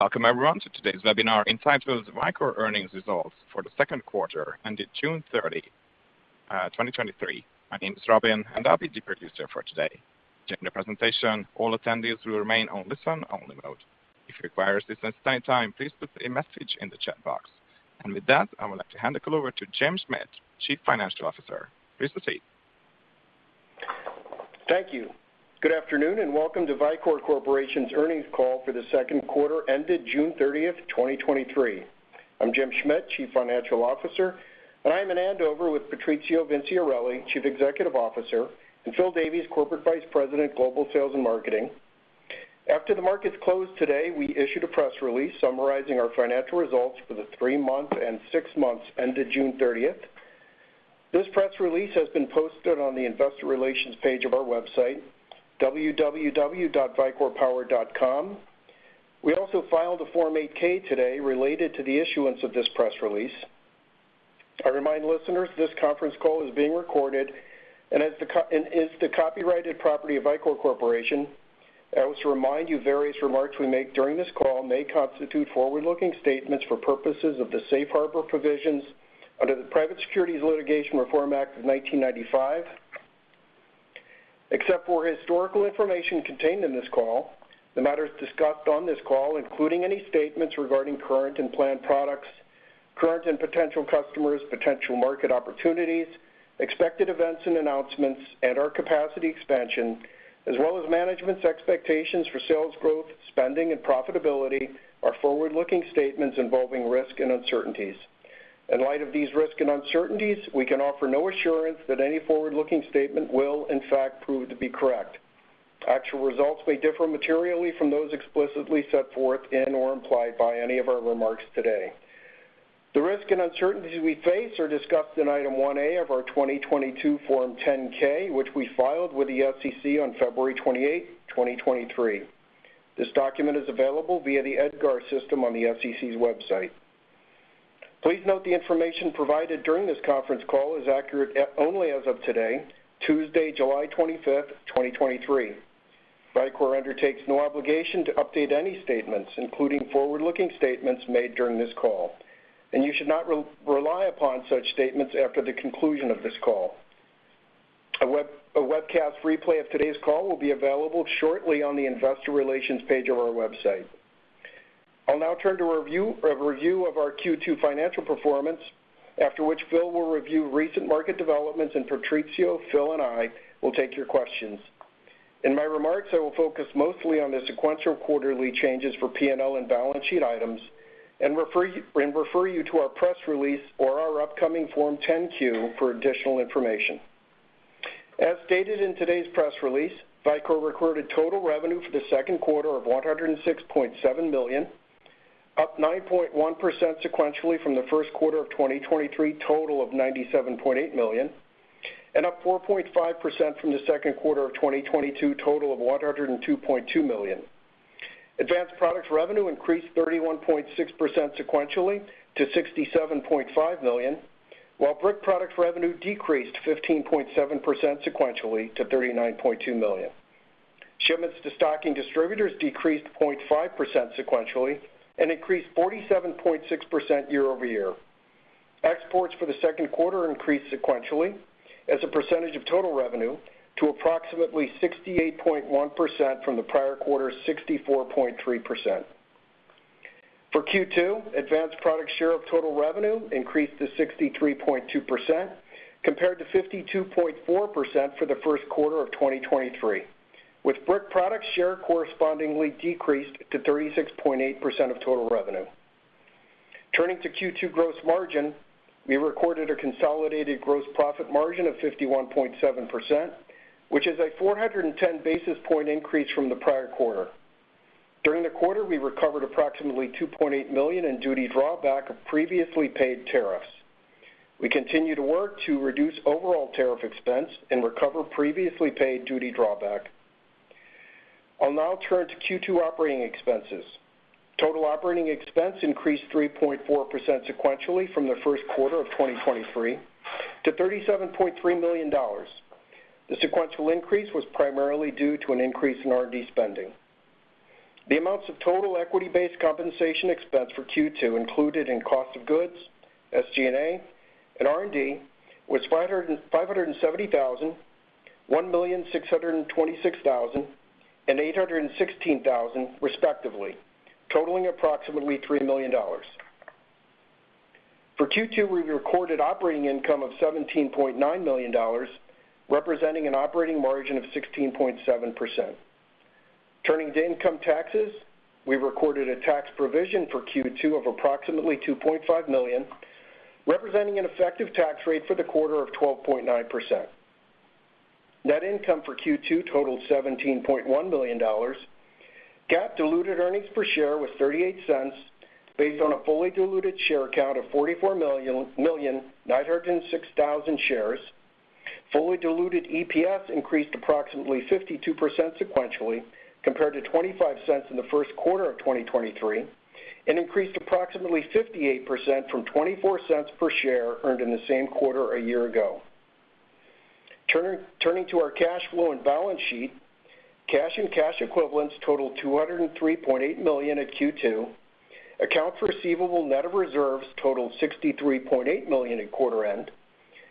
Welcome, everyone, to today's webinar, entitled, "Vicor Earnings Results for the Second Quarter ended June 30, 2023." My name is Robin, and I'll be the producer for today. During the presentation, all attendees will remain on listen-only mode. If you require assistance at any time, please put a message in the chat box. With that, I would like to hand the call over to Jim Schmidt, Chief Financial Officer. Please proceed. Thank you. Good afternoon, and welcome to Vicor Corporation's earnings call for the second quarter ended June 30th, 2023. I'm Jim Schmidt, Chief Financial Officer, and I'm in Andover with Patrizio Vinciarelli, Chief Executive Officer, and Phil Davies, Corporate Vice President, Global Sales and Marketing. After the markets closed today, we issued a press release summarizing our financial results for the three months and six months ended June 30th. This press release has been posted on the investor relations page of our website, www.vicorpower.com. We also filed a Form 8-K today related to the issuance of this press release. I remind listeners, this conference call is being recorded and is the copyrighted property of Vicor Corporation. I also remind you, various remarks we make during this call may constitute forward-looking statements for purposes of the safe harbor provisions under the Private Securities Litigation Reform Act of 1995. Except for historical information contained in this call, the matters discussed on this call, including any statements regarding current and planned products, current and potential customers, potential market opportunities, expected events and announcements, and our capacity expansion, as well as management's expectations for sales growth, spending, and profitability, are forward-looking statements involving risk and uncertainties. In light of these risks and uncertainties, we can offer no assurance that any forward-looking statement will, in fact, prove to be correct. Actual results may differ materially from those explicitly set forth in or implied by any of our remarks today. The risks and uncertainties we face are discussed in Item 1A of our 2022 Form 10-K, which we filed with the SEC on February 28th, 2023. This document is available via the EDGAR system on the SEC's website. Please note the information provided during this conference call is accurate only as of today, Tuesday, July 25th, 2023. Vicor undertakes no obligation to update any statements, including forward-looking statements made during this call, and you should not rely upon such statements after the conclusion of this call. A webcast replay of today's call will be available shortly on the Investor Relations page of our website. I'll now turn to a review of our Q2 financial performance, after which Phil will review recent market developments, and Patrizio, Phil, and I will take your questions. In my remarks, I will focus mostly on the sequential quarterly changes for P&L and balance sheet items, and refer you to our press release or our upcoming Form 10-Q for additional information. As stated in today's press release, Vicor recorded total revenue for the second quarter of $106.7 million, up 9.1% sequentially from the first quarter of 2023, total of $97.8 million, and up 4.5% from the second quarter of 2022, total of $102.2 million. Advanced Products revenue increased 31.6% sequentially to $67.5 million, while Brick Products revenue decreased 15.7% sequentially to $39.2 million. Shipments to stocking distributors decreased 0.5% sequentially and increased 47.6% year-over-year. Exports for the second quarter increased sequentially as a percentage of total revenue to approximately 68.1% from the prior quarter's 64.3%. For Q2, Advanced Products share of total revenue increased to 63.2%, compared to 52.4% for the first quarter of 2023, with Brick Products share correspondingly decreased to 36.8% of total revenue. Turning to Q2 gross margin, we recorded a consolidated gross profit margin of 51.7%, which is a 410 basis point increase from the prior quarter. During the quarter, we recovered approximately $2.8 million in duty drawback of previously paid tariffs. We continue to work to reduce overall tariff expense and recover previously paid duty drawback. I'll now turn to Q2 operating expenses. Total operating expense increased 3.4% sequentially from the first quarter of 2023 to $37.3 million. The sequential increase was primarily due to an increase in R&D spending. The amounts of total equity-based compensation expense for Q2 included in cost of goods, SG&A, and R&D was $570,000, $1,626,000, and $816,000, respectively, totaling approximately $3 million. For Q2, we recorded operating income of $17.9 million, representing an operating margin of 16.7%. Turning to income taxes, we recorded a tax provision for Q2 of approximately $2.5 million, representing an effective tax rate for the quarter of 12.9%. Net income for Q2 totaled $17.1 million. GAAP diluted earnings per share was $0.38, based on a fully diluted share count of 44,906,000 shares. Fully diluted EPS increased approximately 52% sequentially, compared to $0.25 in the first quarter of 2023, and increased approximately 58% from $0.24 per share earned in the same quarter a year ago. Turning to our cash flow and balance sheet, cash and cash equivalents totaled $203.8 million at Q2. Accounts receivable net of reserves totaled $63.8 million at quarter end,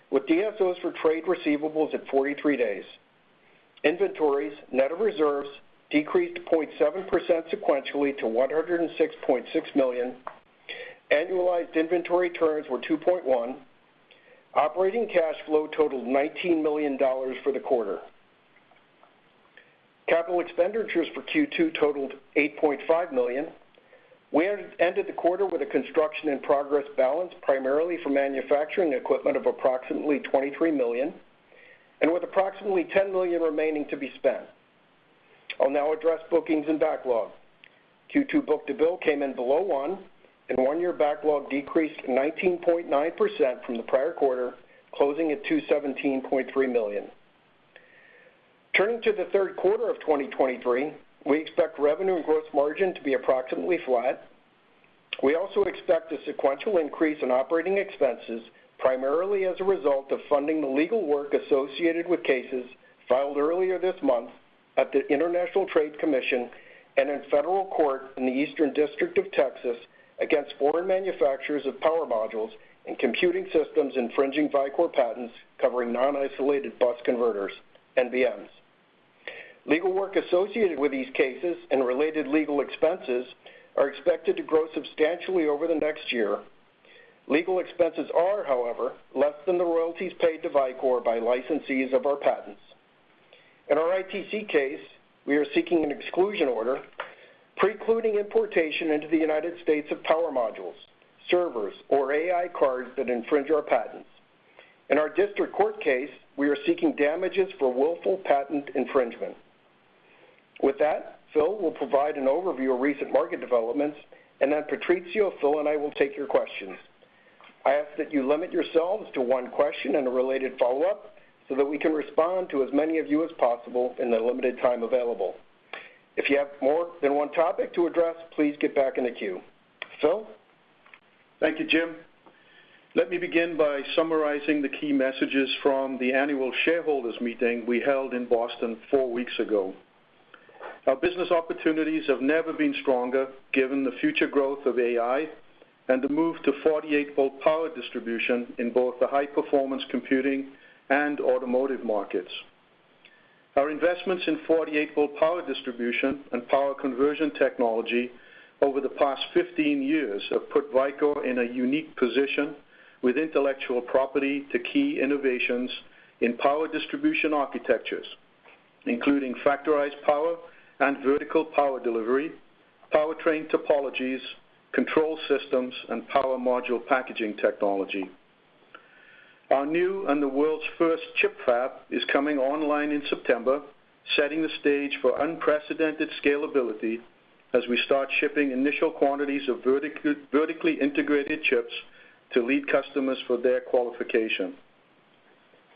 with DSOs for trade receivables at 43 days. Inventories, net of reserves, decreased 0.7% sequentially to $106.6 million. Annualized inventory turns were 2.1. Operating cash flow totaled $19 million for the quarter. Capital expenditures for Q2 totaled $8.5 million. We ended the quarter with a construction-in-progress balance, primarily for manufacturing equipment, of approximately $23 million, and with approximately $10 million remaining to be spent. I'll now address bookings and backlog. Q2 book-to-bill came in below 1, and one-year backlog decreased 19.9% from the prior quarter, closing at $217.3 million. Turning to the third quarter of 2023, we expect revenue and gross margin to be approximately flat. We also expect a sequential increase in operating expenses, primarily as a result of funding the legal work associated with cases filed earlier this month at the International Trade Commission and in federal court in the Eastern District of Texas against foreign manufacturers of power modules and computing systems infringing Vicor patents, covering non-isolated bus converters, NBMs. Legal work associated with these cases and related legal expenses are expected to grow substantially over the next year. Legal expenses are, however, less than the royalties paid to Vicor by licensees of our patents. In our ITC case, we are seeking an exclusion order, precluding importation into the United States of power modules, servers, or AI cards that infringe our patents. In our district court case, we are seeking damages for willful patent infringement. With that, Phil will provide an overview of recent market developments, and then Patrizio, Phil, and I will take your questions. I ask that you limit yourselves to one question and a related follow-up, so that we can respond to as many of you as possible in the limited time available. If you have more than one topic to address, please get back in the queue. Phil? Thank you, Jim. Let me begin by summarizing the key messages from the annual shareholders meeting we held in Boston four weeks ago. Our business opportunities have never been stronger, given the future growth of AI and the move to 48-volt power distribution in both the high-performance computing and automotive markets. Our investments in 48-volt power distribution and power conversion technology over the past 15 years have put Vicor in a unique position with intellectual property to key innovations in power distribution architectures, including Factorized Power and Vertical Power Delivery, powertrain topologies, control systems, and power module packaging technology. Our new and the world's first ChiP fab is coming online in September, setting the stage for unprecedented scalability as we start shipping initial quantities of vertically integrated chips to lead customers for their qualification.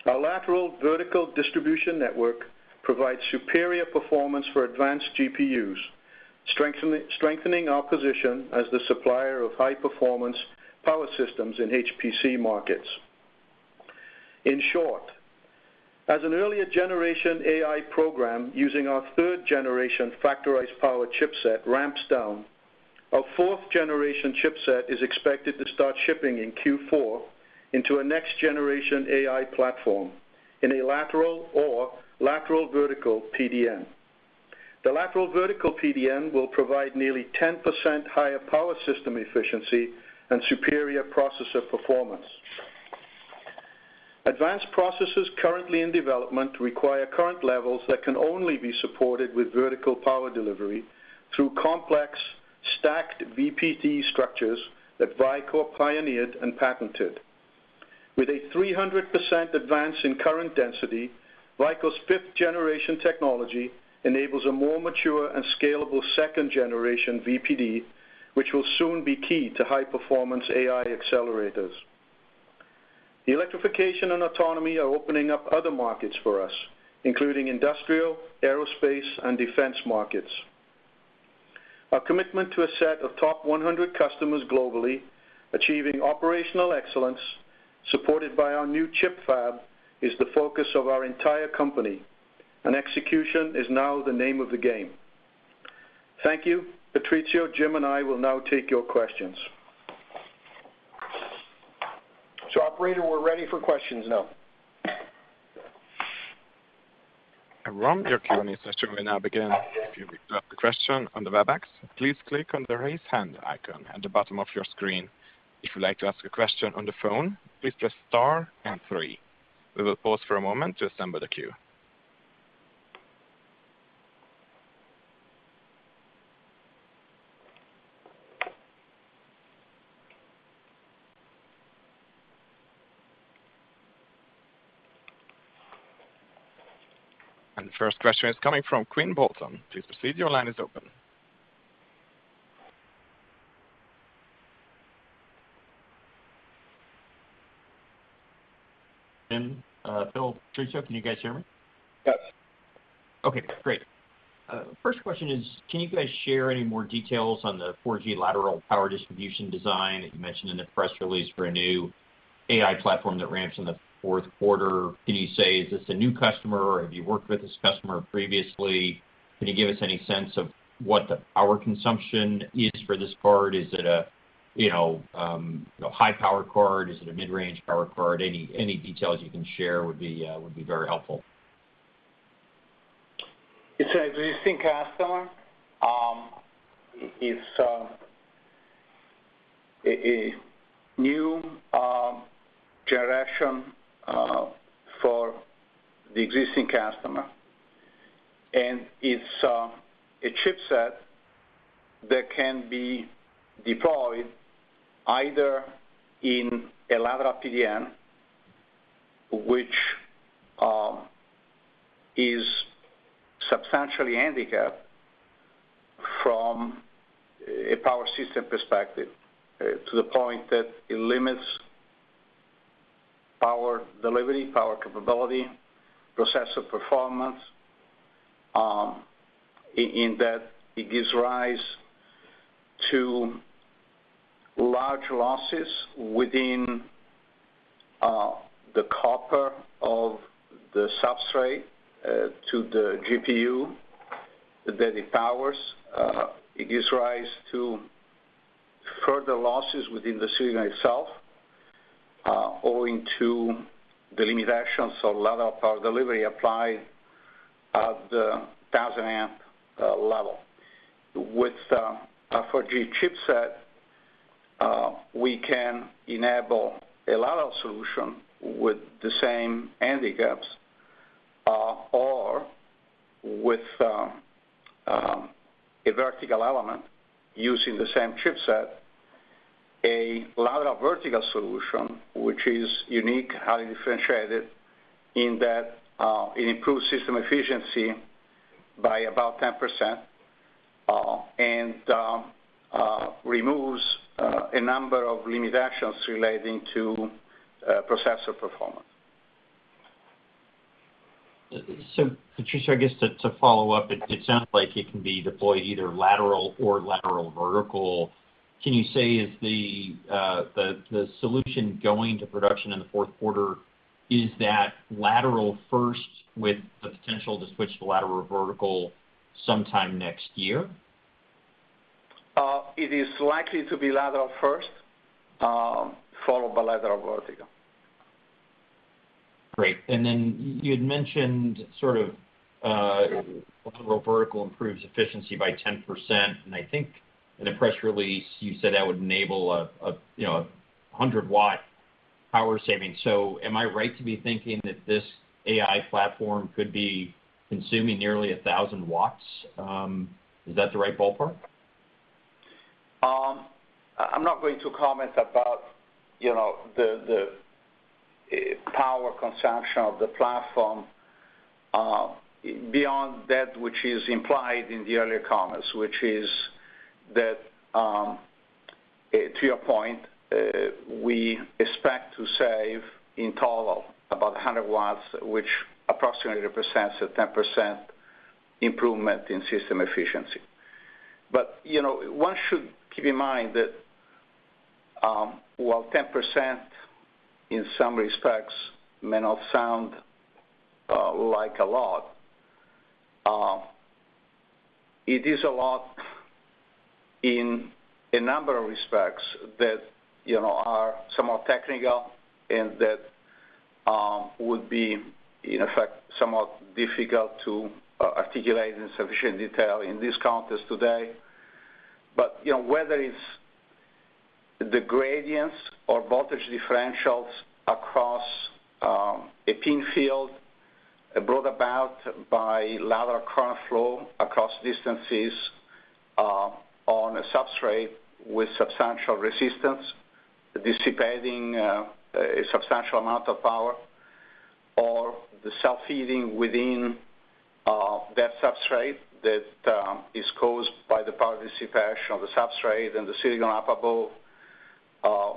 Our lateral vertical distribution network provides superior performance for advanced GPUs, strengthening our position as the supplier of high-performance power systems in HPC markets. In short, as an earlier generation AI program using our third-generation Factorized Power chipset ramps down, our fourth-generation chipset is expected to start shipping in Q4 into a next-generation AI platform in a lateral or lateral vertical PDN. The lateral vertical PDN will provide nearly 10% higher power system efficiency and superior processor performance. Advanced processes currently in development require current levels that can only be supported with Vertical Power Delivery through complex, stacked VPD structures that Vicor pioneered and patented. With a 300% advance in current density, Vicor's fifth-generation technology enables a more mature and scalable second-generation VPD, which will soon be key to high-performance AI accelerators. Electrification and autonomy are opening up other markets for us, including industrial, aerospace, and defense markets. Our commitment to a set of top 100 customers globally, achieving operational excellence, supported by our new ChiP fab, is the focus of our entire company, and execution is now the name of the game. Thank you. Patrizio, Jim, and I will now take your questions. Operator, we're ready for questions now. Your Q&A session will now begin. If you would like to ask a question on the Webex, please click on the Raise Hand icon at the bottom of your screen. If you'd like to ask a question on the phone, please press star and three. We will pause for a moment to assemble the queue. The first question is coming from Quinn Bolton. Please proceed. Your line is open. Jim, Phil, Patrizio, can you guys hear me? Yes. Okay, great. First question is, can you guys share any more details on the 4G lateral power distribution design that you mentioned in the press release for a new AI platform that ramps in the fourth quarter? Can you say, is this a new customer, or have you worked with this customer previously? Can you give us any sense of what the power consumption is for this card? Is it a, you know, a high power card? Is it a mid-range power card? Any details you can share would be very helpful. It's an existing customer. It's a new generation for the existing customer. It's a chipset that can be deployed either in a lateral PDN, which is substantially handicapped from a power system perspective, to the point that it limits power delivery, power capability, processor performance, in that it gives rise to large losses within the copper of the substrate, to the GPU that it powers. It gives rise to further losses within the silicon itself, owing to the limitations of lateral power delivery applied at the 1,000 amp level. With a 4G chipset, we can enable a lateral solution with the same handicaps, or with a vertical element using the same chipset, a lateral vertical solution, which is unique, highly differentiated, in that it improves system efficiency by about 10%, and removes a number of limitations relating to processor performance. Patrizio, I guess to follow up, it sounds like it can be deployed either lateral or lateral vertical. Can you say, is the solution going to production in the fourth quarter, is that lateral first, with the potential to switch to lateral vertical sometime next year? It is likely to be lateral first, followed by lateral vertical. Great. You had mentioned sort of, lateral vertical improves efficiency by 10%, and I think in the press release you said that would enable a, you know, 100 W power saving. Am I right to be thinking that this AI platform could be consuming nearly 1,000 W? Is that the right ballpark? I'm not going to comment about, you know, the power consumption of the platform, beyond that which is implied in the earlier comments, which is that, to your point, we expect to save in total about 100 watts, which approximately represents a 10% improvement in system efficiency. You know, one should keep in mind that, while 10% in some respects may not sound like a lot, it is a lot in a number of respects that, you know, are somewhat technical and that, would be, in effect, somewhat difficult to articulate in sufficient detail in this context today. You know, whether it's the gradients or voltage differentials across a pin field brought about by lateral current flow across distances on a substrate with substantial resistance, dissipating a substantial amount of power, or the self-heating within that substrate that is caused by the power dissipation of the substrate and the silicon die,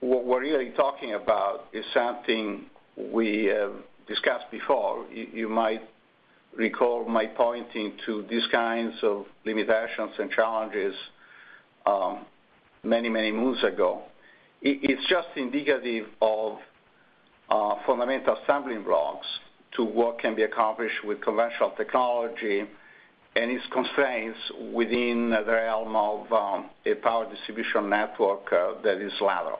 what we're really talking about is something we have discussed before. You, you might recall my pointing to these kinds of limitations and challenges many, many months ago. It, it's just indicative of fundamental stumbling blocks to what can be accomplished with conventional technology and its constraints within the realm of a power distribution network that is lateral.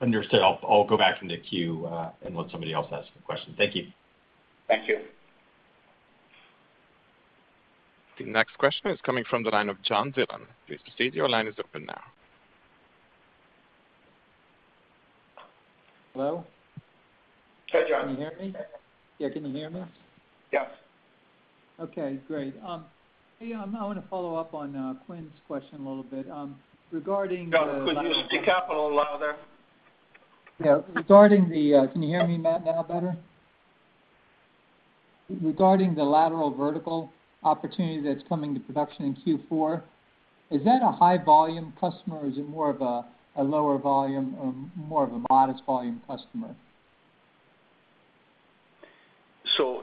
Understood. I'll go back in the queue, let somebody else ask the question. Thank you. Thank you. The next question is coming from the line of John Dillon. Please proceed. Your line is open now. Hello? Hey, John. Can you hear me? Yeah, can you hear me? Yes. Okay, great. Yeah, I want to follow up on Quinn's question a little bit. Could you speak up a little louder? Yeah. Can you hear me now better? Regarding the lateral vertical opportunity that's coming to production in Q4, is that a high volume customer, or is it more of a lower volume or more of a modest volume customer?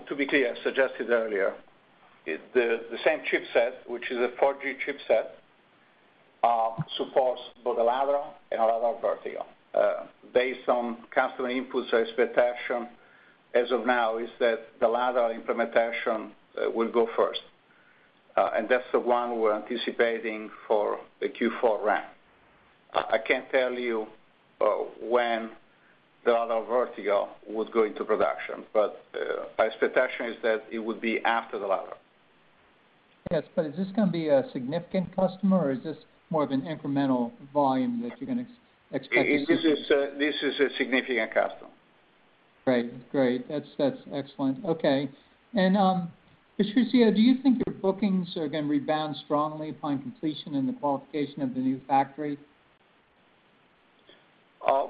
To be clear, I suggested earlier, the same chipset, which is a 4G chipset, supports both the lateral and lateral vertical. Based on customer inputs or expectation, as of now, is that the lateral implementation will go first, and that's the one we're anticipating for the Q4 ramp. I can't tell you when the other vertical would go into production, but my expectation is that it would be after the latter. Is this gonna be a significant customer, or is this more of an incremental volume that you're gonna expect to see? This is a significant customer. Great. Great. That's excellent. Okay. Patrizio, do you think your bookings are gonna rebound strongly upon completion and the qualification of the new factory?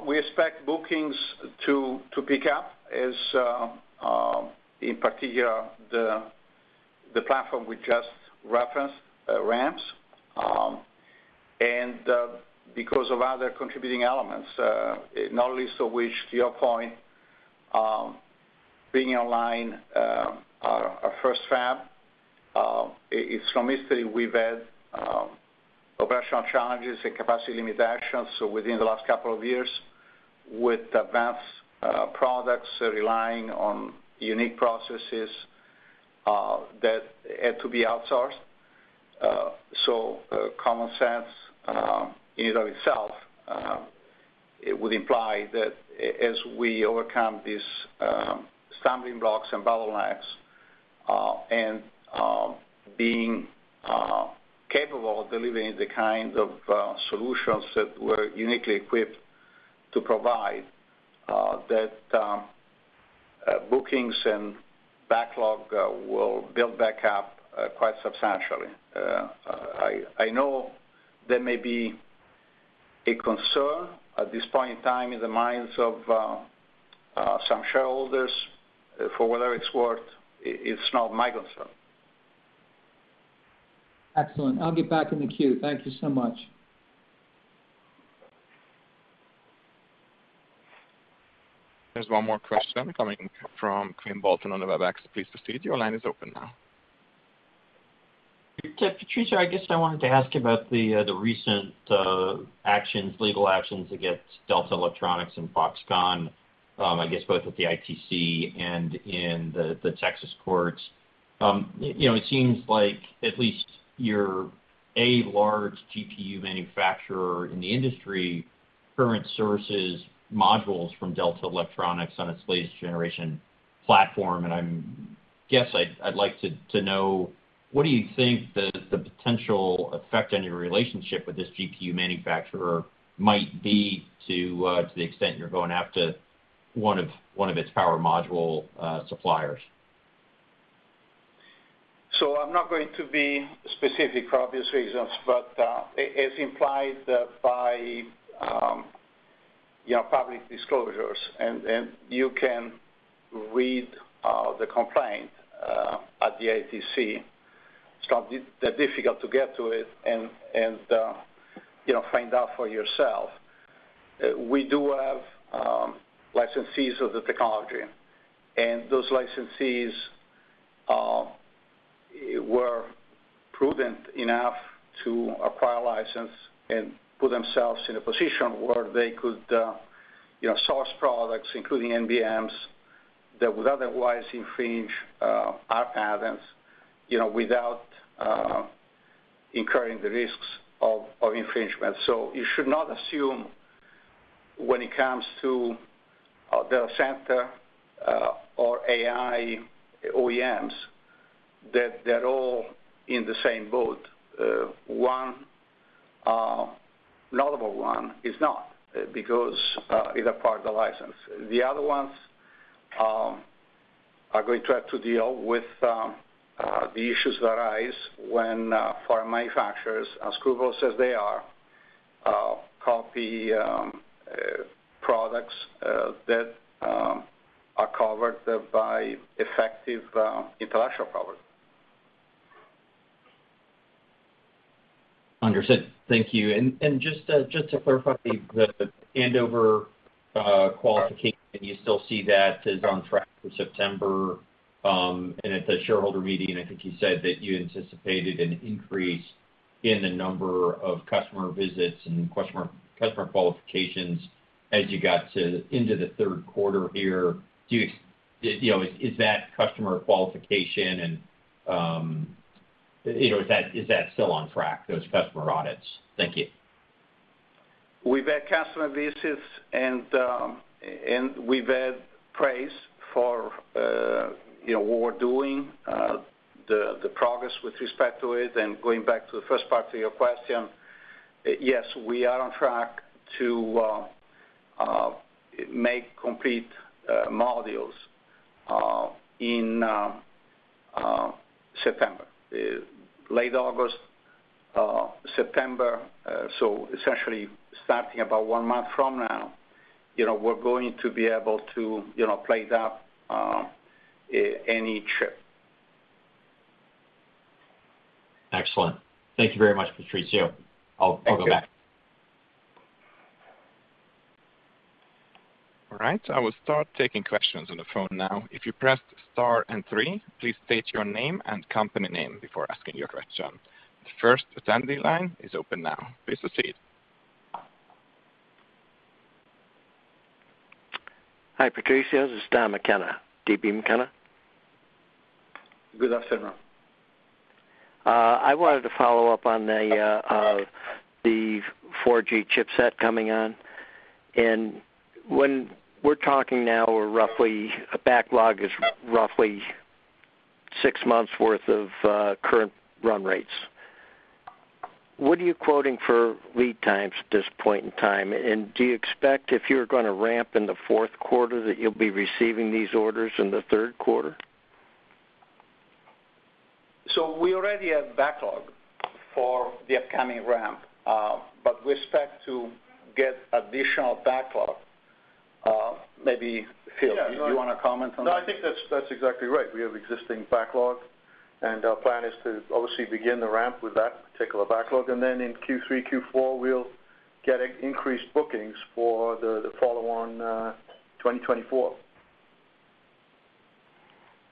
We expect bookings to pick up as in particular, the platform we just referenced ramps. Because of other contributing elements, not least of which, to your point, bringing online our first fab, it's from history, we've had operational challenges and capacity limitations. Within the last couple of years, with Advanced Products relying on unique processes that had to be outsourced. Common sense in and of itself, it would imply that as we overcome these stumbling blocks and bottlenecks, and being capable of delivering the kinds of solutions that we're uniquely equipped to provide, that bookings and backlog will build back up quite substantially. I know there may be a concern at this point in time in the minds of some shareholders. For whatever it's worth, it's not my concern. Excellent. I'll get back in the queue. Thank you so much. There's one more question coming from Quinn Bolton on the Webex. Please proceed. Your line is open now. Patrizio, I guess I wanted to ask you about the recent actions, legal actions against Delta Electronics and Foxconn, I guess both with the ITC and in the Texas courts. You know, it seems like at least your A large GPU manufacturer in the industry, current sources modules from Delta Electronics on its latest generation platform, and I guess I'd like to know, what do you think the potential effect on your relationship with this GPU manufacturer might be to the extent you're going after one of its power module suppliers? I'm not going to be specific for obvious reasons, but, as implied by, you know, public disclosures, and you can read the complaint at the ITC, it's not that difficult to get to it and, you know, find out for yourself. We do have licensees of the technology, and those licensees were prudent enough to acquire a license and put themselves in a position where they could, you know, source products, including NBMs, that would otherwise infringe our patents, you know, without incurring the risks of infringement. You should not assume when it comes to data center or AI OEMs, that they're all in the same boat. One notable one is not, because it acquired the license. The other ones, are going to have to deal with, the issues that arise when, for manufacturers, as scruples as they are, copy, products, that, are covered by effective, intellectual property. Understood. Thank you. Just to clarify, the Andover qualification, do you still see that as on track for September? At the shareholder meeting, I think you said that you anticipated an increase in the number of customer visits and customer qualifications as you got into the third quarter here. You know, is that customer qualification and, you know, is that still on track, those customer audits? Thank you. We've had customer visits, and we've had praise for, you know, what we're doing, the progress with respect to it. Going back to the first part of your question, yes, we are on track to make complete modules in September, late August, September. Essentially starting about one month from now. You know, we're going to be able to, you know, play that any chip. Excellent. Thank you very much, Patrizio. Thank you. I'll go back. All right, I will start taking questions on the phone now. If you press star and three, please state your name and company name before asking your question. The first attendee line is open now. Please proceed. Hi, Patrizio, this is Don McKenna, D.B. McKenna. Good afternoon. I wanted to follow up on the 4G chipset coming on. When we're talking now, we're roughly, a backlog is roughly six months' worth of current run rates. What are you quoting for lead times at this point in time? Do you expect, if you're gonna ramp in the fourth quarter, that you'll be receiving these orders in the third quarter? We already have backlog for the upcoming ramp, but we expect to get additional backlog. Maybe. Yeah. Phil, do you wanna comment on that? I think that's exactly right. We have existing backlog, our plan is to obviously begin the ramp with that particular backlog. Then in Q3, Q4, we'll get increased bookings for the follow on 2024.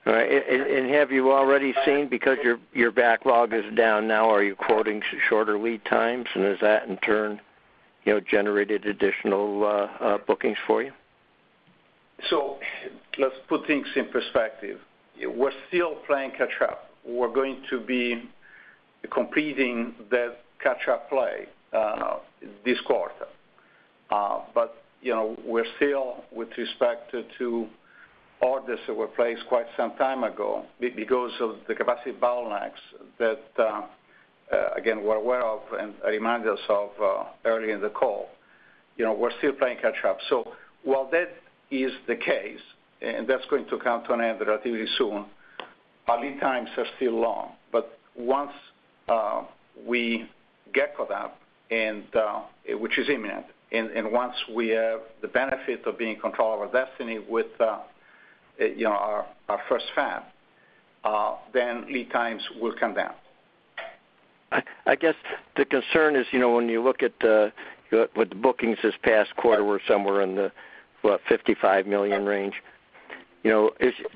All right. Have you already seen, because your backlog is down now, are you quoting shorter lead times? Has that, in turn, you know, generated additional bookings for you? Let's put things in perspective. We're still playing catch up. We're going to be completing the catch up play this quarter. You know, we're still with respect to orders that were placed quite some time ago because of the capacity bottlenecks that again, we're aware of and I reminded us of earlier in the call. You know, we're still playing catch up. While that is the case, and that's going to come to an end relatively soon, our lead times are still long. Once we get caught up, and which is imminent, and once we have the benefit of being in control of our destiny with, you know, our first fab, then lead times will come down. I guess the concern is, you know, when you look at with the bookings this past quarter, we're somewhere in the, what, $55 million range. You know,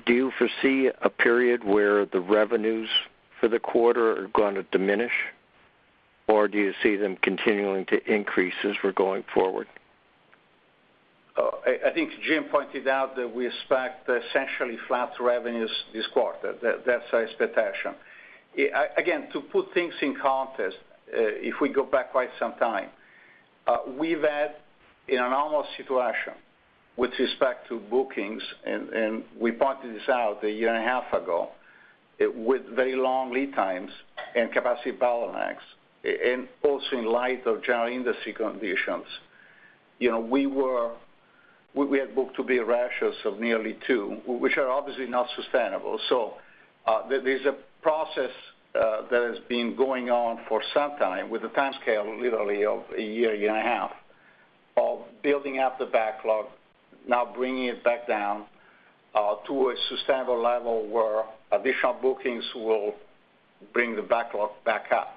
do you foresee a period where the revenues for the quarter are going to diminish, or do you see them continuing to increase as we're going forward? I think Jim pointed out that we expect essentially flat revenues this quarter. That's our expectation. Again, to put things in context, if we go back quite some time, we've had an anomalous situation with respect to bookings, and we pointed this out a year and a half ago, with very long lead times and capacity bottlenecks, and also in light of general industry conditions. You know, we had book-to-bill ratios of nearly two, which are obviously not sustainable. There's a process that has been going on for some time, with a timescale literally of a year, a year and a half, of building up the backlog, now bringing it back down to a sustainable level where additional bookings will bring the backlog back up.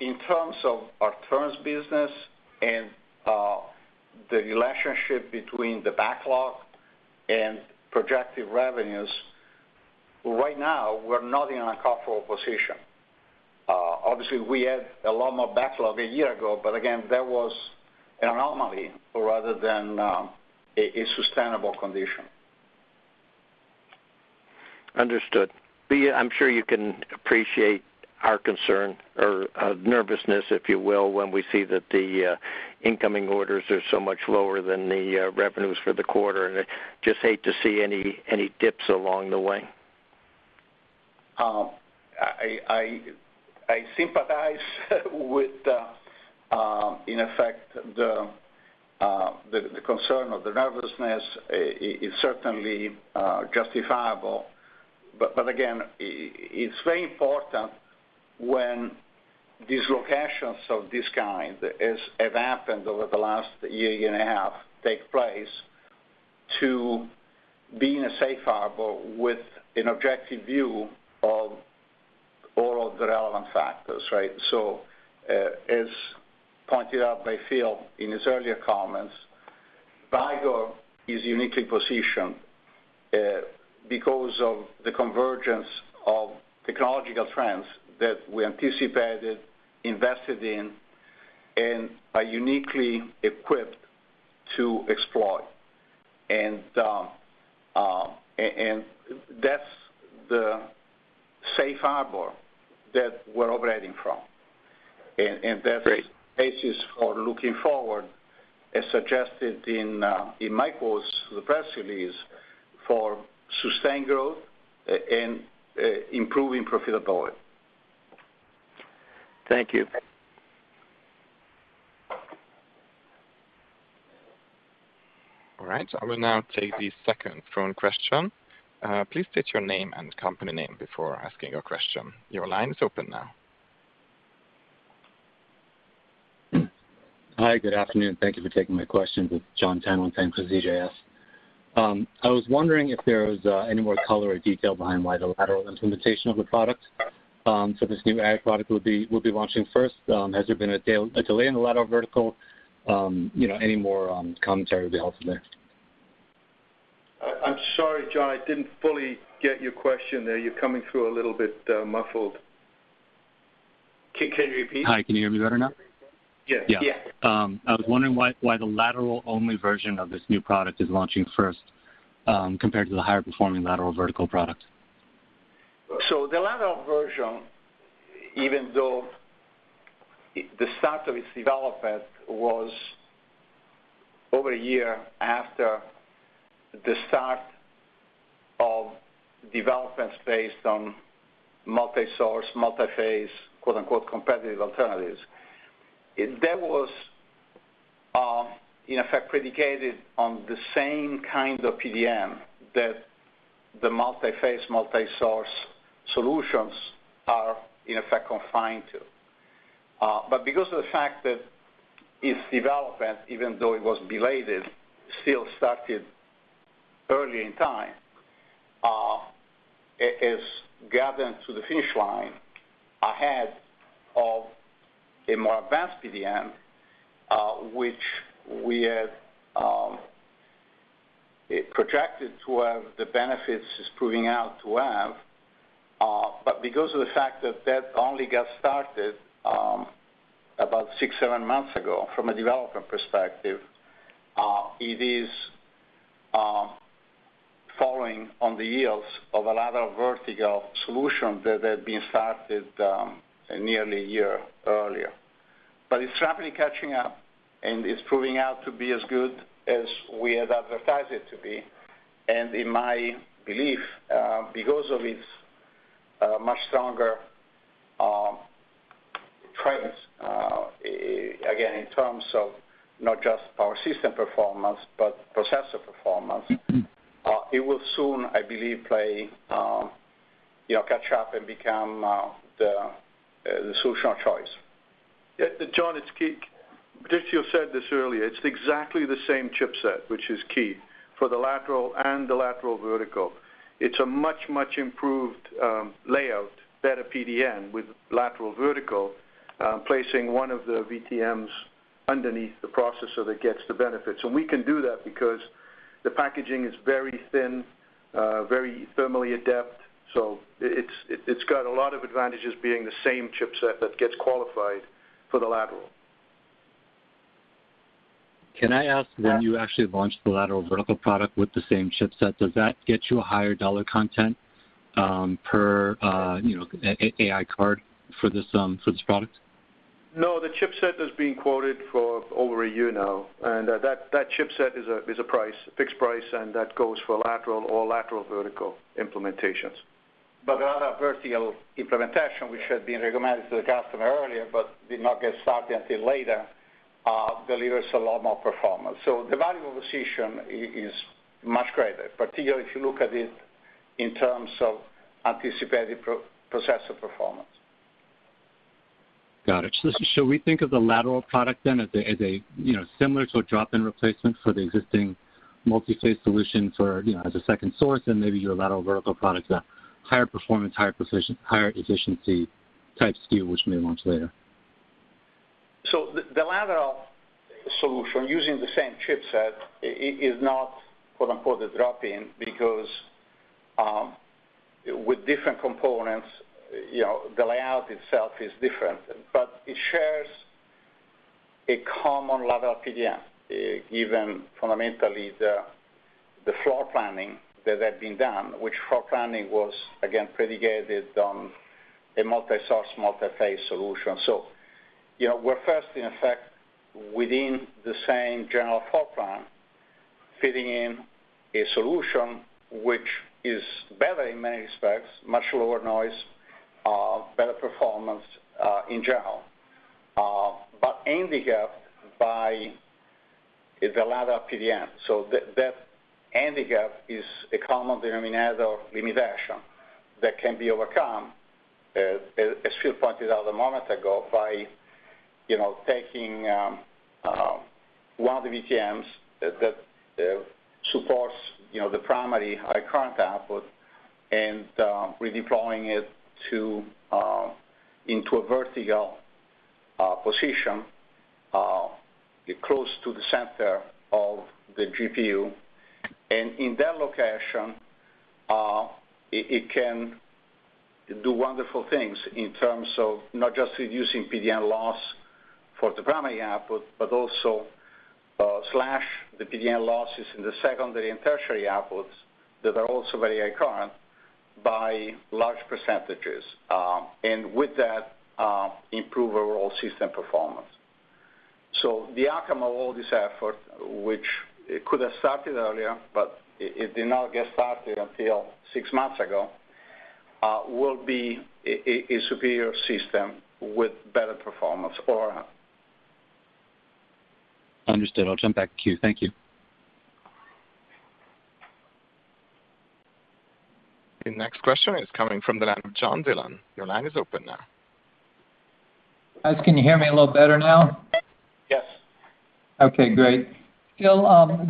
In terms of our terms business and the relationship between the backlog and projected revenues, right now, we're not in an uncomfortable position. Obviously, we had a lot more backlog a year ago, again, that was an anomaly rather than a sustainable condition. Understood. I'm sure you can appreciate our concern or nervousness, if you will, when we see that the incoming orders are so much lower than the revenues for the quarter, and I just hate to see any dips along the way. I sympathize with in effect, the concern or the nervousness. It's certainly justifiable. Again, it's very important when dislocations of this kind, as have happened over the last year and a half, take place to be in a safe harbor with an objective view of all of the relevant factors, right? As pointed out by Phil in his earlier comments, Vicor is uniquely positioned because of the convergence of technological trends that we anticipated, invested in, and are uniquely equipped to explore. That's the safe harbor that we're operating from. That is the basis for looking forward, as suggested in my quotes to the press release, for sustained growth and, improving profitability. Thank you. All right, I will now take the second phone question. Please state your name and company name before asking your question. Your line is open now. Hi, good afternoon. Thank you for taking my questions. It's Jon Tanwanteng with CJS. I was wondering if there was any more color or detail behind why the lateral implementation of the product, so this new AI product will be launching first. Has there been a delay in the lateral vertical? You know, any more commentary would be helpful there. I'm sorry, John, I didn't fully get your question there. You're coming through a little bit muffled. Can you repeat? Hi, can you hear me better now? Yes. Yeah. Yeah. I was wondering why the lateral-only version of this new product is launching first, compared to the higher performing lateral vertical product? The lateral version, even though the start of its development was over a year after the start of developments based on multi-source, multi-phase, quote, unquote, "competitive alternatives," that was, in effect, predicated on the same kind of PDN that the multi-phase, multi-source solutions are, in effect, confined to. Because of the fact that its development, even though it was belated, still started early in time, it is gathering to the finish line ahead of a more advanced PDN, which we had it projected to have the benefits it's proving out to have. Because of the fact that that only got started about six, seven months ago, from a development perspective, it is following on the heels of a lateral vertical solution that had been started nearly a year earlier. It's rapidly catching up, and it's proving out to be as good as we had advertised it to be. In my belief, because of its much stronger trends, again, in terms of not just power system performance, but processor performance... Mm-hmm. it will soon, I believe, play, you know, catch up and become, the solution of choice. Yeah, Jon, it's Keith. Patrizio said this earlier, it's exactly the same chipset, which is key for the lateral and the lateral vertical. It's a much improved layout, better PDN with lateral vertical, placing one of the VTMs underneath the processor that gets the benefits. We can do that because the packaging is very thin, very thermally adept, so it's got a lot of advantages being the same chipset that gets qualified for the lateral. Can I ask? When you actually launched the lateral vertical product with the same chipset, does that get you a higher dollar content, per, you know, AI card for this, for this product? No, the chipset has been quoted for over a year now, and that chipset is a price, fixed price, and that goes for lateral or lateral vertical implementations. The lateral vertical implementation, which had been recommended to the customer earlier but did not get started until later, delivers a lot more performance. The value proposition is much greater, particularly if you look at it in terms of anticipated processor performance. Got it. Should we think of the lateral product then as a, you know, similar to a drop-in replacement for the existing multi-phase solution for, you know, as a second source, and maybe your lateral vertical product, a higher performance, higher precision, higher efficiency type SKU, which may launch later? The lateral solution using the same chipset is not, quote, unquote, "a drop-in," because with different components, you know, the layout itself is different. It shares a common lateral PDN, given fundamentally the floor planning that had been done, which floor planning was again predicated on a multi-source, multi-phase solution. You know, we're first, in effect, within the same general floor plan, fitting in a solution which is better in many respects, much lower noise, better performance, in general, but handicapped by the lateral PDN. That handicap is a common denominator limitation that can be overcome, as Phil pointed out a moment ago, by, you know, taking one of the VTMs that supports, you know, the primary high current output and redeploying it to, into a vertical position, close to the center of the GPU. In that location, it can do wonderful things in terms of not just reducing PDN loss for the primary output, but also slash the PDN losses in the secondary and tertiary outputs that are also very high current by large percentages, and with that, improve overall system performance. The outcome of all this effort, which it could have started earlier, but it did not get started until 6 months ago, will be a superior system with better performance. Understood. I'll jump back to queue. Thank you. The next question is coming from the line of John Dillon. Your line is open now. Guys, can you hear me a little better now? Yes. Okay, great. Phil,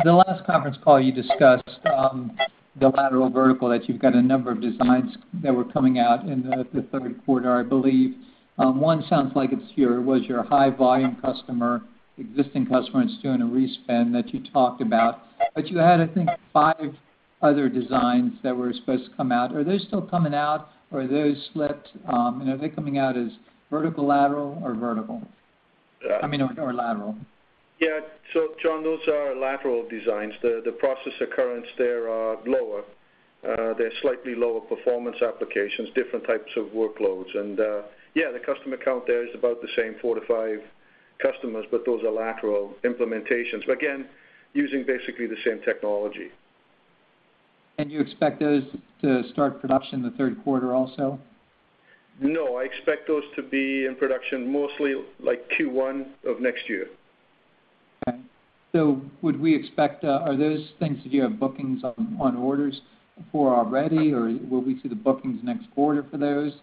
the last conference call you discussed, the lateral vertical, that you've got a number of designs that were coming out in the third quarter, I believe. One sounds like was your high-volume customer, existing customer that's doing a re-spin that you talked about. You had, I think, five other designs that were supposed to come out. Are they still coming out, or are those slipped? Are they coming out as vertical lateral or vertical? I mean, or lateral. John, those are lateral designs. The processor currents there are lower. They're slightly lower performance applications, different types of workloads. The customer count there is about the same, four to five customers, but those are lateral implementations. Again, using basically the same technology. You expect those to start production in the third quarter also? No, I expect those to be in production mostly like Q1 of next year. Okay. Are those things that you have bookings on orders for already, or will we see the bookings next quarter for those?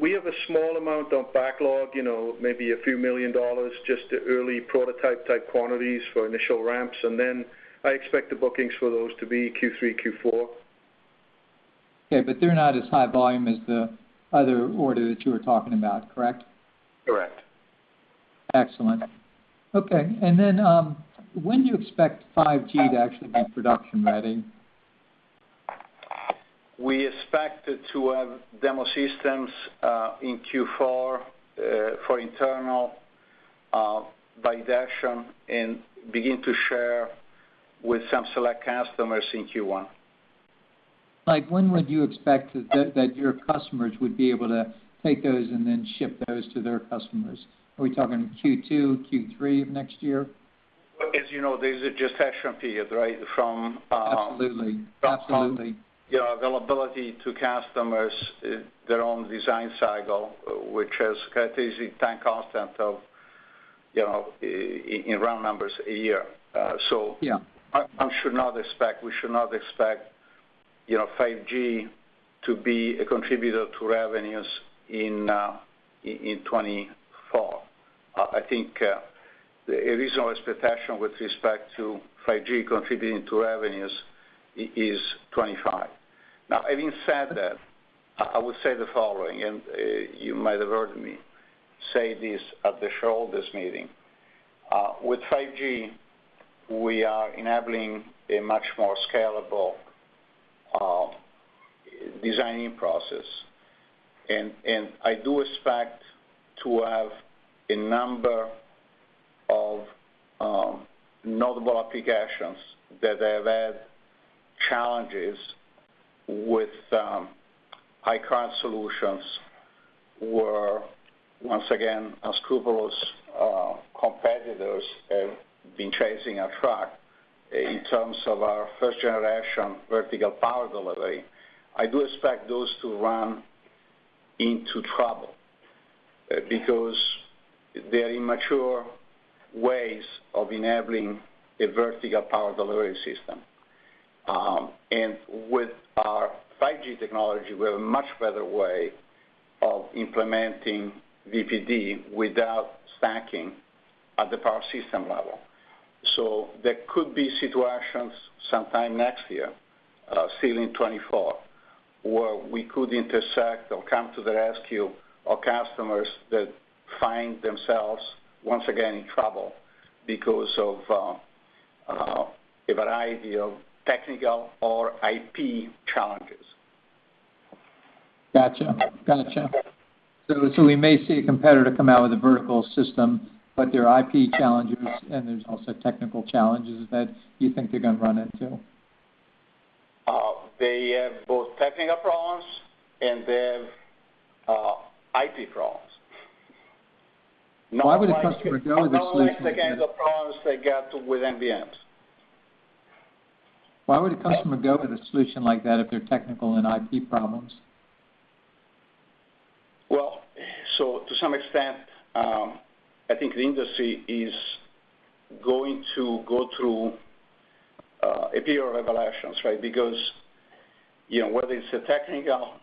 We have a small amount of backlog, you know, maybe a few million dollars, just the early prototype-type quantities for initial ramps, and then I expect the bookings for those to be Q3, Q4. But they're not as high volume as the other order that you were talking about, correct? Correct. Excellent. Okay, when do you expect 5G to actually be production ready? We expect to have demo systems, in Q4, for internal validation and begin to share with some select customers in Q1. Like, when would you expect that your customers would be able to take those and then ship those to their customers? Are we talking Q2, Q3 of next year? As you know, there's a gestation period, right? Absolutely. Yeah, availability to customers, their own design cycle, which has characteristic time constant of, you know, in round numbers, a year. Yeah. We should not expect, you know, 5G to be a contributor to revenues in 2024. I think the reasonable expectation with respect to 5G contributing to revenues is 2025. Having said that, I would say the following. You might have heard me say this at the shareholders meeting. With 5G, we are enabling a much more scalable designing process. I do expect to have a number of notable applications that have had challenges with high current solutions, where once again, unscrupulous competitors have been chasing our truck in terms of our first-generation Vertical Power Delivery. I do expect those to run into trouble because they're immature ways of enabling a Vertical Power Delivery system. With our 5G technology, we have a much better way of implementing VPD without stacking at the power system level. There could be situations sometime next year, say in 2024, where we could intersect or come to the rescue of customers that find themselves once again in trouble because of a variety of technical or IP challenges. Gotcha. We may see a competitor come out with a vertical system, but there are IP challenges, and there's also technical challenges that you think they're going to run into? They have both technical problems, and they have IP problems. Why would a customer go with a solution? Technical problems they get with NBMs. Why would a customer go with a solution like that if they're technical and IP problems? To some extent, I think the industry is going to go through a period of revelations, right? You know, whether it's a technical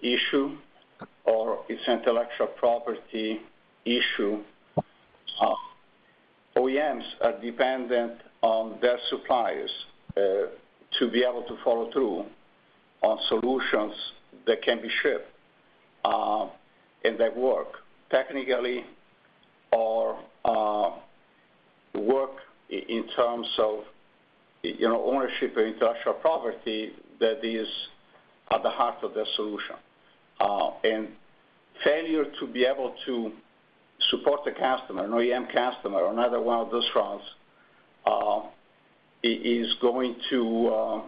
issue or it's intellectual property issue, OEMs are dependent on their suppliers to be able to follow through on solutions that can be shipped and that work technically or work in terms of, you know, ownership of intellectual property that is at the heart of their solution. Failure to be able to support the customer, an OEM customer, on either one of those fronts, is going to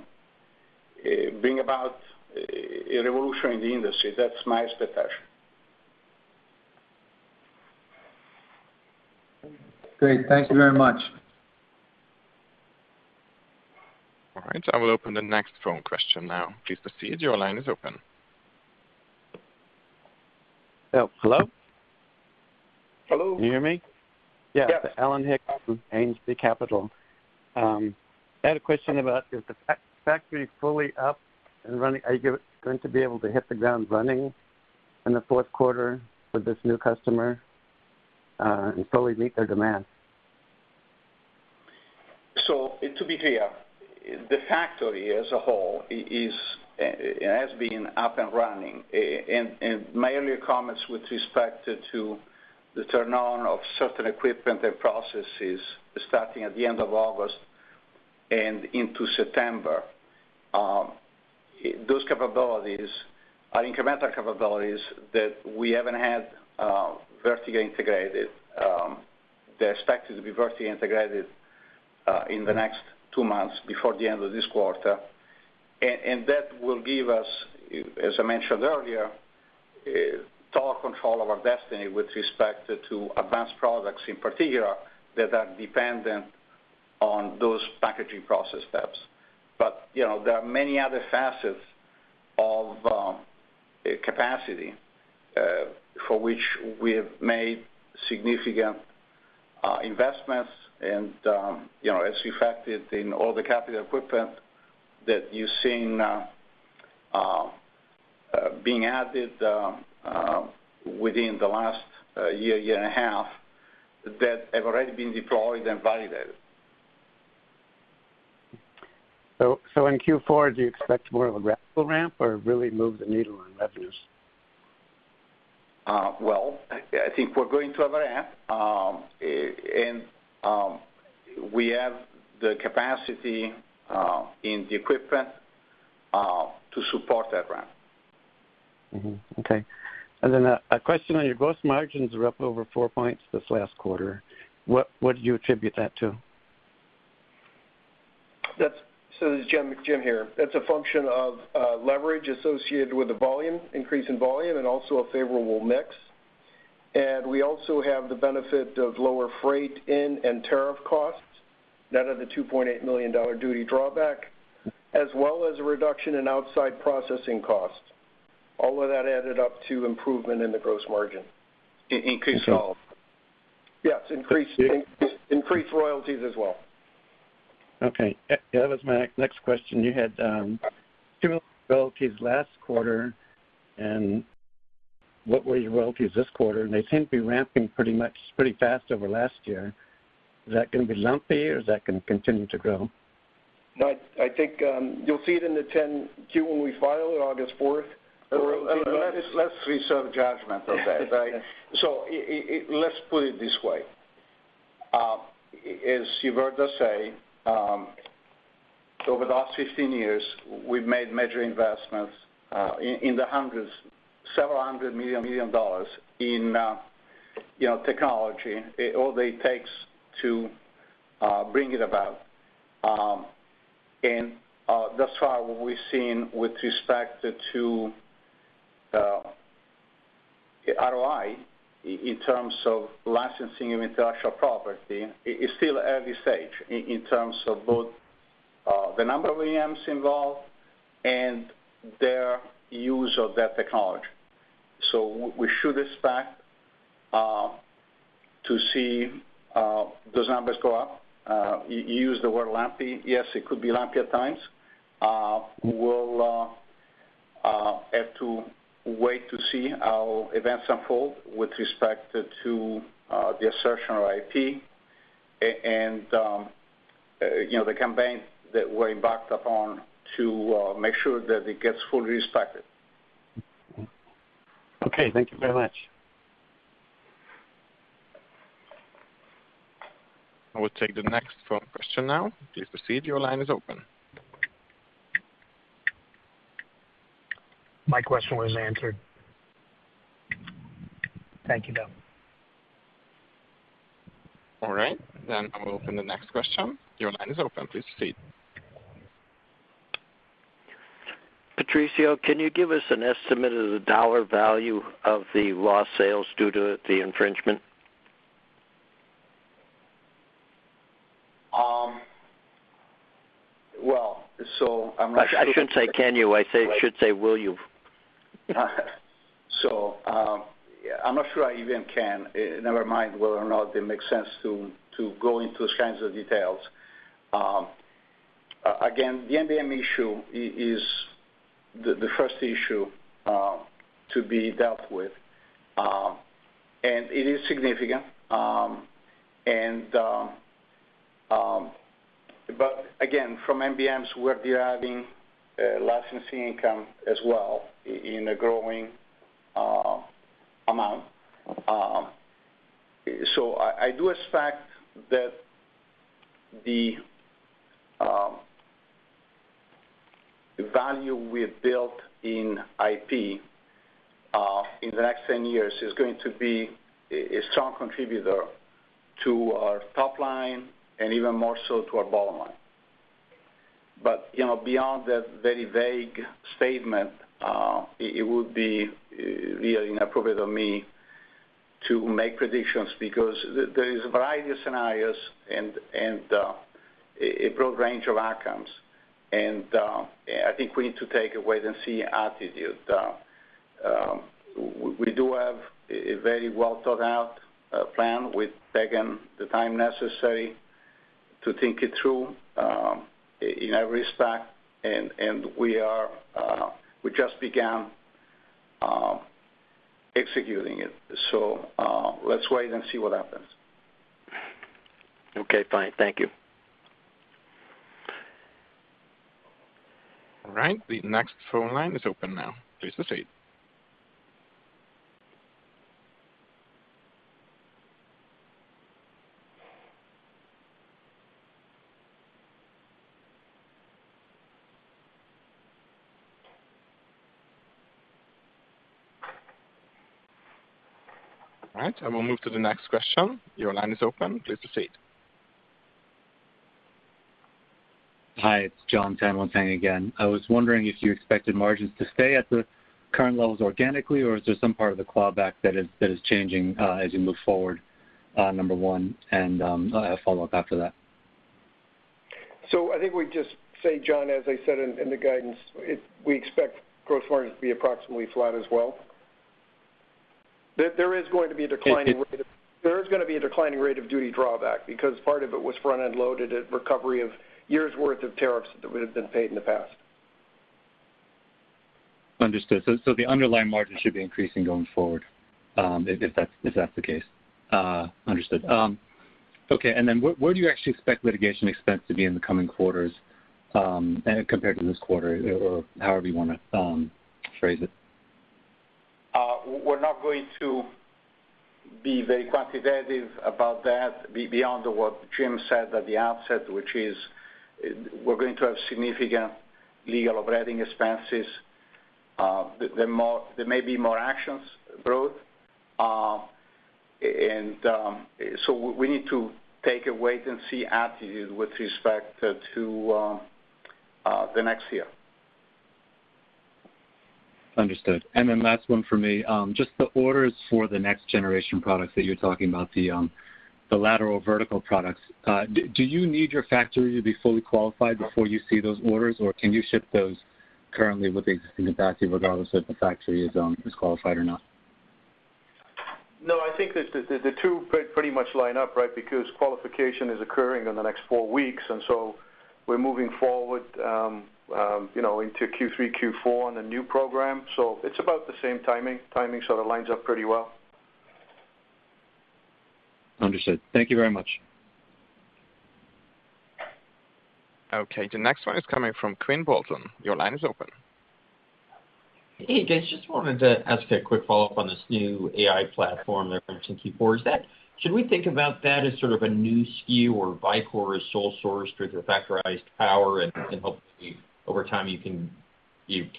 bring about a revolution in the industry. That's my expectation. Great. Thank you very much. All right. I will open the next phone question now. Please proceed, your line is open. Oh, hello? Hello. Can you hear me? Yes. I had a question about, is the factory fully up and running? Are you going to be able to hit the ground running in the fourth quarter with this new customer, and fully meet their demand? To be clear, the factory as a whole is. It has been up and running. My earlier comments with respect to the turn on of certain equipment and processes starting at the end of August and into September, those capabilities are incremental capabilities that we haven't had vertically integrated. They're expected to be vertically integrated in the next two months before the end of this quarter. That will give us, as I mentioned earlier, total control of our destiny with respect to Advanced Products, in particular, that are dependent on those packaging process steps. You know, there are many other facets of capacity for which we have made significant investments. You know, as reflected in all the capital equipment that you're seeing, being added, within the last year and a half, that have already been deployed and validated. In Q4, do you expect more of a gradual ramp or really move the needle on revenues? Well, I think we're going to have a ramp. We have the capacity in the equipment to support that ramp. Mm-hmm. Okay. Then a question on your gross margins are up over four points this last quarter. What do you attribute that to? This is Jim here. That's a function of leverage associated with the volume, increase in volume, and also a favorable mix. We also have the benefit of lower freight in and tariff costs, net of the $2.8 million duty drawback, as well as a reduction in outside processing costs. All of that added up to improvement in the gross margin. Increased sales. Yes, increased royalties as well. Okay. That was my next question. You had two royalties last quarter. What were your royalties this quarter? They seem to be ramping pretty much, pretty fast over last year. Is that going to be lumpy, or is that going to continue to grow? I think, you'll see it in the Form 10-Q when we file on August 4th. Let's reserve judgment on that, right? Let's put it this way. As you heard us say, over the last 15 years, we've made major investments in the hundreds, several hundred million in, you know, technology, all that it takes to bring it about. Thus far, what we've seen with respect to ROI, in terms of licensing intellectual property, is still early stage in terms of both the number of OEMs involved and their use of that technology. We should expect to see those numbers go up. You used the word lumpy. Yes, it could be lumpy at times. We'll have to wait to see how events unfold with respect to the assertion of IP and, you know, the campaigns that we're embarked upon to make sure that it gets fully respected. Okay. Thank you very much. I will take the next phone question now. Please proceed. Your line is open. My question was answered. Thank you, though. All right, I will open the next question. Your line is open. Please proceed. Patrizio, can you give us an estimate of the dollar value of the lost sales due to the infringement? Well, so I'm not sure- I shouldn't say can you. I say, should say, will you? I'm not sure I even can, never mind whether or not it makes sense to go into those kinds of details. Again, the NBM issue is the first issue to be dealt with, and it is significant. Again, from NBMs, we're deriving licensing income as well in a growing amount. I do expect that the value we have built in IP in the next 10 years is going to be a strong contributor to our top line and even more so to our bottom line. You know, beyond that very vague statement, it would be really inappropriate of me to make predictions because there is a variety of scenarios and a broad range of outcomes. I think we need to take a wait-and-see attitude. We do have a very well thought out plan. We've taken the time necessary to think it through in every respect, and we just began executing it. Let's wait and see what happens. Okay, fine. Thank you. All right, the next phone line is open now. Please proceed. All right, we'll move to the next question. Your line is open. Please proceed. Hi, it's Jon Tanwanteng again. I was wondering if you expected margins to stay at the current levels organically, or is there some part of the clawback that is changing, as you move forward, number 1. I have a follow-up after that. I think we just say, Jon, as I said in the guidance, we expect gross margins to be approximately flat as well. There is going to be a declining rate of... It, it- There is gonna be a declining rate of duty drawback because part of it was front-end loaded at recovery of years' worth of tariffs that would have been paid in the past. Understood. The underlying margin should be increasing going forward, if that's the case? Understood. Okay, where do you actually expect litigation expense to be in the coming quarters, compared to this quarter, or however you wanna phrase it? We're not going to be very quantitative about that beyond what Jim said at the outset, which is, we're going to have significant legal operating expenses. There may be more actions brought. We need to take a wait-and-see attitude with respect to the next year. Understood. Last one for me, just the orders for the next generation products that you're talking about, the lateral vertical products, do you need your factory to be fully qualified before you see those orders, or can you ship those currently with the existing capacity, regardless if the factory is qualified or not? No, I think the two pretty much line up, right? Qualification is occurring in the next 4 weeks, and so we're moving forward, you know, into Q3, Q4 on the new program. It's about the same timing, so it lines up pretty well. Understood. Thank you very much. The next one is coming from Quinn Bolton. Your line is open. Hey, guys, just wanted to ask a quick follow-up on this new AI platform that you mentioned before. Should we think about that as sort of a new SKU or Vicor, a sole source through the Factorized Power, and hopefully over time, you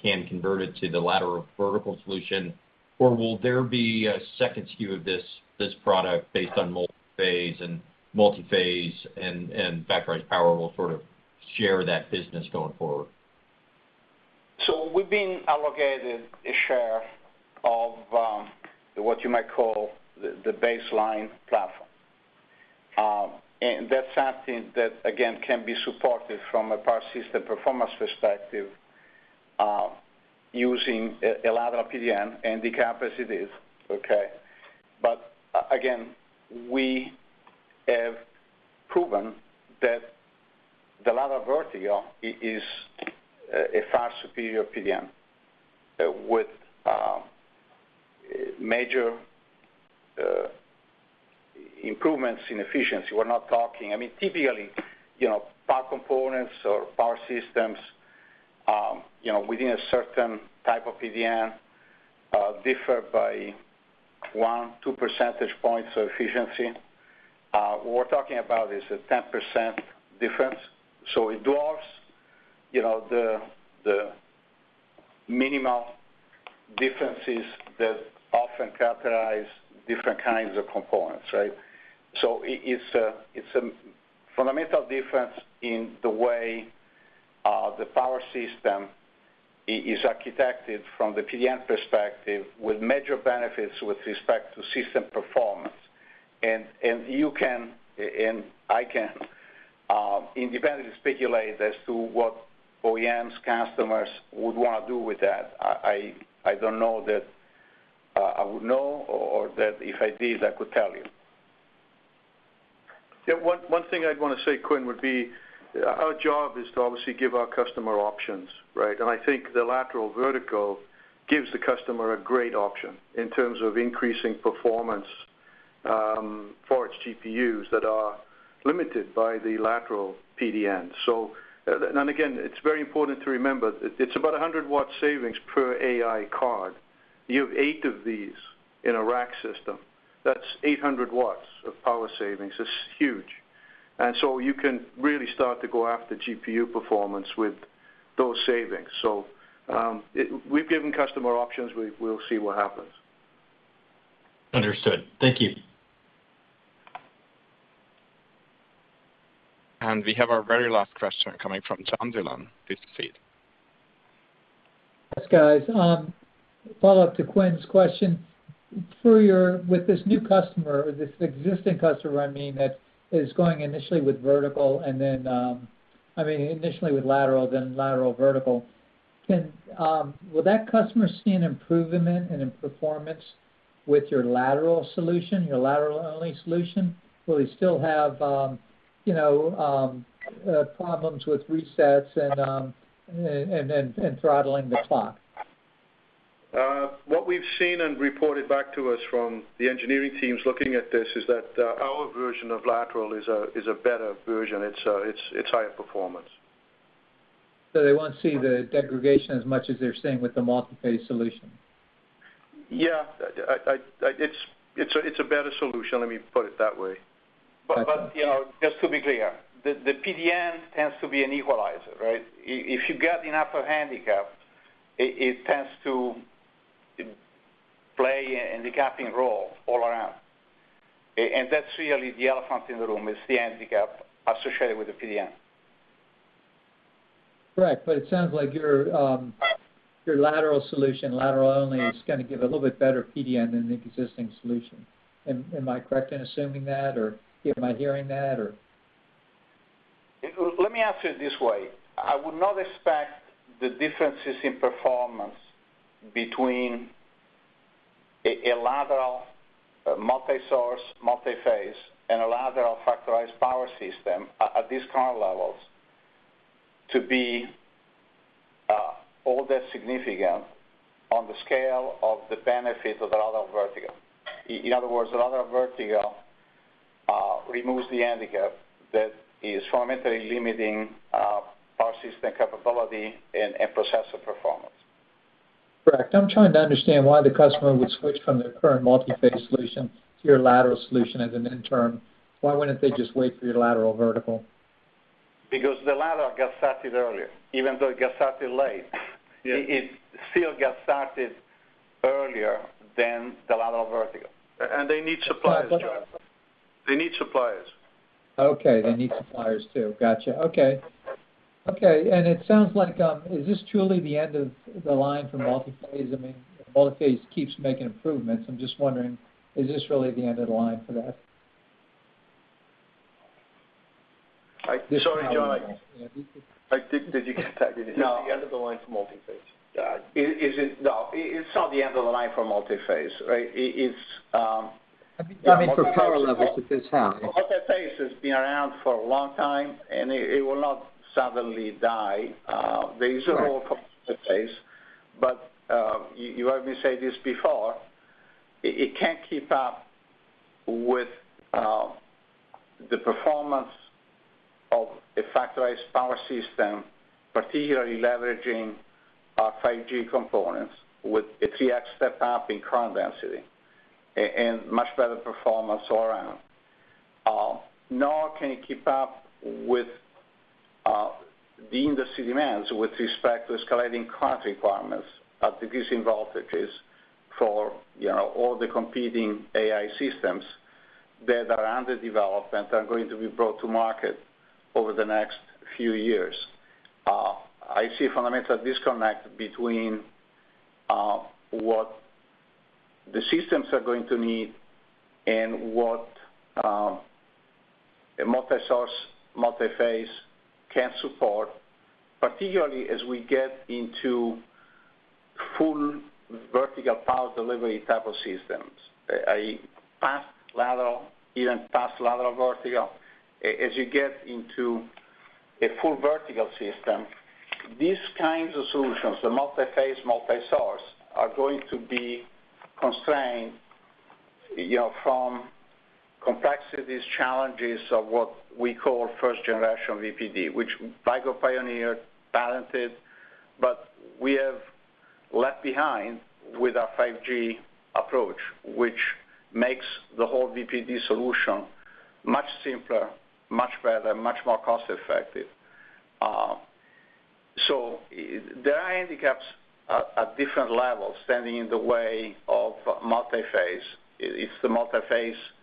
can convert it to the lateral vertical solution? Will there be a second SKU of this product based on multi-phase, and multi-phase and Factorized Power will sort of share that business going forward? We've been allocated a share of what you might call the baseline platform. That's something that, again, can be supported from a power system performance perspective, using a lateral PDN and the capacities, okay. Again, we have proven that the lateral vertical is a far superior PDN, with major improvements in efficiency. We're not talking. I mean, typically, you know, power components or power systems, you know, within a certain type of PDN, differ by one, two percentage points of efficiency. What we're talking about is a 10% difference, so it dwarfs, you know, the minimal differences that often characterize different kinds of components, right. It's a fundamental difference in the way the power system is architected from the PDN perspective, with major benefits with respect to system performance. You can, and I can independently speculate as to what OEM's customers would wanna do with that. I don't know that I would know, or that if I did, I could tell you. Yeah, one thing I'd want to say, Quinn, would be, our job is to obviously give our customer options, right? I think the lateral vertical gives the customer a great option in terms of increasing performance for its GPUs that are limited by the lateral PDN. Again, it's very important to remember, it's about 100 watts savings per AI card. You have 8 of these in a rack system. That's 800 watts of power savings. It's huge. You can really start to go after GPU performance with those savings. We've given customer options. We'll see what happens. Understood. Thank you. We have our very last question coming from John Dillon. Please proceed. Thanks, guys. Follow-up to Quinn's question. With this new customer, or this existing customer, I mean, that is going initially with vertical and then, I mean, initially with lateral, then lateral vertical, can will that customer see an improvement in performance with your lateral solution, your lateral-only solution? Will they still have, you know, problems with resets and throttling the clock? What we've seen and reported back to us from the engineering teams looking at this is that, our version of lateral is a better version. It's higher performance. They won't see the degradation as much as they're seeing with the multi-phase solution? Yeah. I it's a better solution, let me put it that way. Okay. You know, just to be clear, the PDN tends to be an equalizer, right? If you've got enough of handicap, it tends to play a handicapping role all around. That's really the elephant in the room, is the handicap associated with the PDN. Correct. It sounds like your lateral solution, lateral only, is gonna give a little bit better PDN than the existing solution. Am I correct in assuming that, or am I hearing that, or? Let me ask it this way. I would not expect the differences in performance between a lateral, multi-source, multi-phase, and a lateral Factorized Power system at these current levels, to be all that significant on the scale of the benefit of the lateral vertical. In other words, the lateral vertical removes the handicap that is fundamentally limiting our system capability and processor performance. Correct. I'm trying to understand why the customer would switch from their current multi-phase solution to your lateral solution as an interim. Why wouldn't they just wait for your lateral vertical? The lateral gets started earlier, even though it gets started late. Yeah. It still gets started earlier than the lateral vertical. They need suppliers, John. They need suppliers. Okay, they need suppliers, too. Gotcha. Okay. Okay, it sounds like, is this truly the end of the line for multi-phase? I mean, multi-phase keeps making improvements. I'm just wondering, is this really the end of the line for that? I- Sorry, John. Did you get that? No. The end of the line for multi-phase. Yeah. Is it... No, it's not the end of the line for multi-phase, right? It's. I mean, for power levels, it is now. Multi-phase has been around for a long time, and it will not suddenly die. There is a role for multi-phase. You heard me say this before, it can't keep up with the performance of a Factorized Power system, particularly leveraging our 5G components with a 3x step up in current density and much better performance all around. Nor can it keep up with the industry demands with respect to escalating current requirements at decreasing voltages for, you know, all the competing AI systems that are under development, are going to be brought to market over the next few years. I see a fundamental disconnect between what the systems are going to need and what a multi-source, multi-phase can support, particularly as we get into full Vertical Power Delivery type of systems. A fast Lateral, even fast Lateral Vertical. As you get into a full vertical system, these kinds of solutions, the multi-phase, multi-source, are going to be constrained, you know, from complexities, challenges of what we call first generation VPD, which Vicor pioneered, patented, but we have left behind with our 5G approach, which makes the whole VPD solution much simpler, much better, much more cost effective. There are handicaps at different levels standing in the way of multi-phase. It's the multi-phase power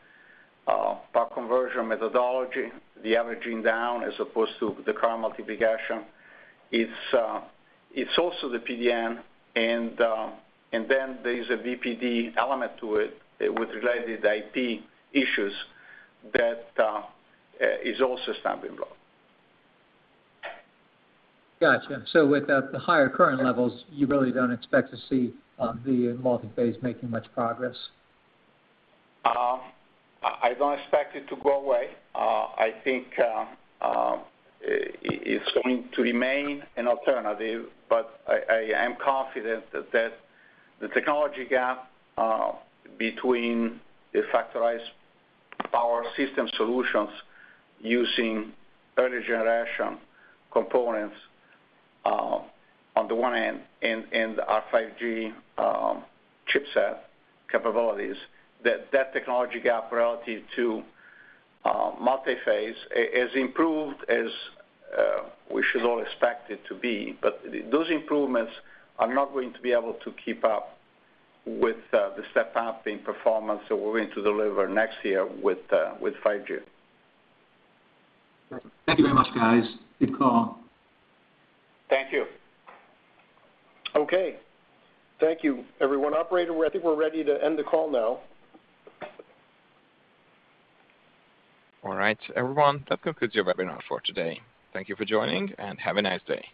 conversion methodology, the averaging down as opposed to the current multiplication. It's also the PDN, and then there is a VPD element to it, with related IP issues that is also standing low. Gotcha. With the higher current levels, you really don't expect to see the multi-phase making much progress? I don't expect it to go away. I think, it's going to remain an alternative, but I am confident that the technology gap between the Factorized Power system solutions using earlier generation components, on the one hand, and our 5G chipset capabilities, that technology gap relative to multi-phase, as improved as we should all expect it to be. Those improvements are not going to be able to keep up with the step up in performance that we're going to deliver next year with 5G. Thank you very much, guys. Good call. Thank you. Okay. Thank you, everyone. Operator, I think we're ready to end the call now. All right, everyone, that concludes your webinar for today. Thank you for joining. Have a nice day.